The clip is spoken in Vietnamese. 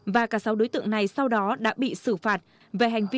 và cả sáu đối tượng này sau đó đã bị xử phạt về hành vi